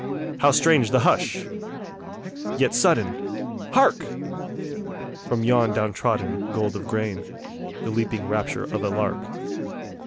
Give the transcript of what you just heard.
How strange the hush! Yet sudden, hark! From yon down trodden gold of grain, The leaping rapture of a lark.